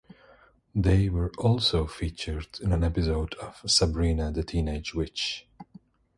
They were also featured in an episode of "Sabrina, the Teenage Witch".